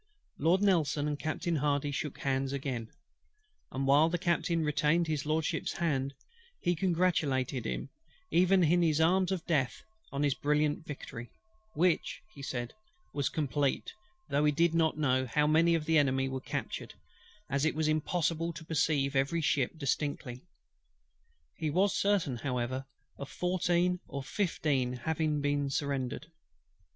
Lord NELSON and Captain HARDY shook hands again: and while the Captain retained HIS LORDSHIP'S hand, he congratulated him even in the arms of Death on his brilliant victory; "which," he said, "was complete; though he did not know how many of the Enemy were captured, as it was impossible to perceive every ship distinctly. He was certain however of fourteen or fifteen having surrendered."